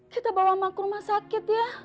kita bawa ke rumah sakit ya